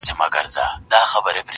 ګرفتاره په منګول د کورونا سو!